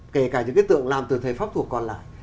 kể cả những cái đối tượng làm từ thời pháp thuộc còn lại